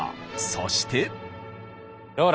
そして。